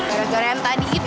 karena jaren tadi itu